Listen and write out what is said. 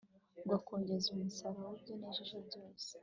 ugakongeza umusaruro w'ibyo nejeje byose